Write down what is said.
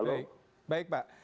baik baik pak